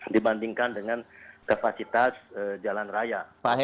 dibandingkan dengan kapasitas jalan raya